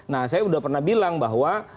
nah saya sudah pernah bilang bahwa